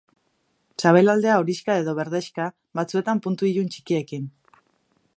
Sabelaldea horixka edo berdexka, batzuetan puntu ilun txikiekin.